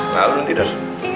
nah kamu tidur